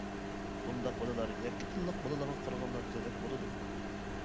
بۇنداق بالىلار يەككە تىللىق بالىلارغا قارىغاندا زېرەك بولىدۇ.